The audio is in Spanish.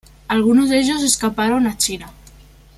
Algunos de ellos escaparon a China.